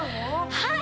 はい！